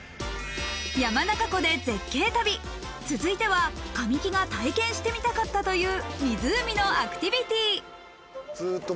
山中湖で絶景旅、続いては神木が体験してみたかったという、湖のアクティビティ。